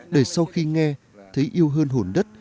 để sau khi nghe thấy yêu hơn hồn đất